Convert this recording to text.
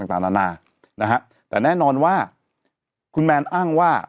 ต่างนานานะฮะแต่แน่นอนว่าคุณแมนอ้างว่า